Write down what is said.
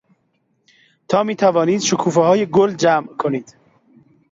تا میتوانید شکوفههای گل جمع کنید.